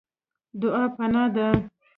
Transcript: دعا پناه ده.